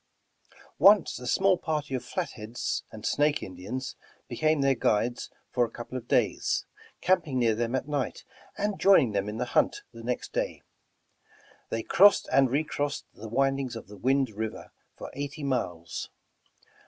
Once a small party of Flatheads and Snake Indians became their guides for a couple of days, camping near them at night, and joining them in the hunt the next day. They crossed and recrossed the windings of the Wind River for eighty miles.